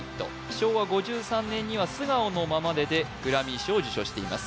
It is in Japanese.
昭和５３年には「素顔のままで」でグラミー賞を受賞しています